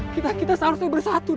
kita harus saling bersatu